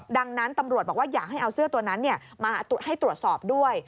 ดังนั้นตำรวจบอกว่าอยากให้เอาเสื้อตัวนั้นมาให้ตรวจสอบด้วย